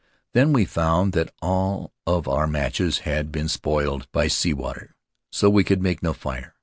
Then we found that all of our matches had been spoiled by sea water, so we could make no fire.